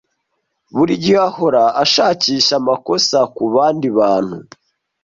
Buri gihe ahora ashakisha amakosa kubandi bantu.